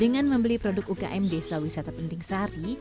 dengan membeli produk ukm desa wisata penting sari